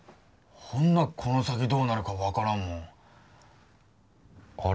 ほんなこの先どうなるか分からんもんあれ？